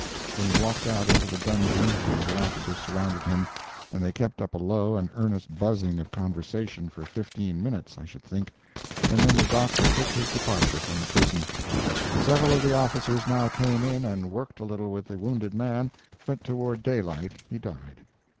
Then he walked out into the dungeon and the officers surrounded him, and they kept up a low and earnest buzzing of conversation for fifteen minutes, I should think, and then the doctor took his departure from the prison. Several of the officers now came in and worked a little with the wounded man, but toward daylight he died.